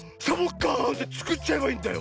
カーンってつくっちゃえばいいんだよ。